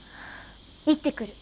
行ってくる。